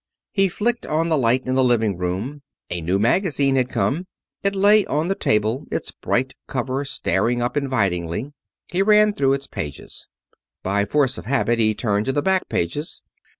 He flicked on the light in the living room. A new magazine had come. It lay on the table, its bright cover staring up invitingly. He ran through its pages. By force of habit he turned to the back pages.